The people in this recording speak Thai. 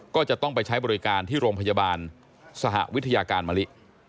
ก็จะต้องไปใช้บริการที่โรงพยาบาลสหวิทยาการมะลิ